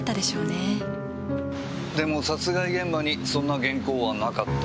でも殺害現場にそんな原稿はなかった。